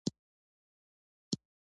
زمرد د افغانانو د معیشت سرچینه ده.